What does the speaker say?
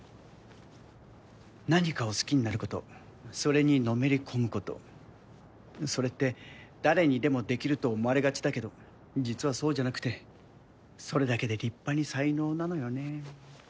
何かを好きになることそれにのめり込むことそれって誰にでもできると思われがちだけど実はそうじゃなくてそれだけで立派に才能なのよねぇ。